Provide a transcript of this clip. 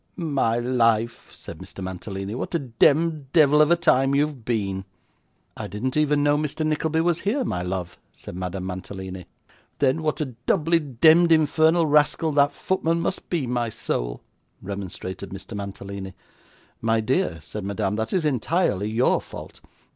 'My life,' said Mr. Mantalini, 'what a demd devil of a time you have been!' 'I didn't even know Mr. Nickleby was here, my love,' said Madame Mantalini. 'Then what a doubly demd infernal rascal that footman must be, my soul,' remonstrated Mr. Mantalini. 'My dear,' said Madame, 'that is entirely your fault.